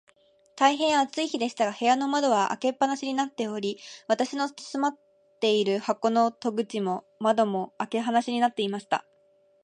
大へん暑い日でしたが、部屋の窓は開け放しになっており、私の住まっている箱の戸口も窓も、開け放しになっていました。